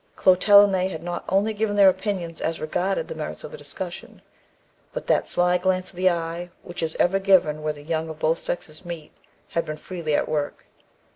Clotel and they had not only given their opinions as regarded the merits of the discussion, but that sly glance of the eye, which is ever given where the young of both sexes meet, had been freely at work.